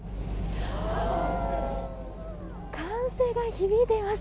歓声が響いています。